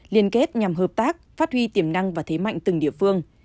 liên kết nhằm hợp tác phát huy tiềm năng và thế mạnh từng địa phương